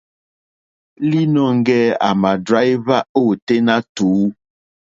Līnɔ̄ŋgɛ̄ à mà dráíhwá ôténá tùú.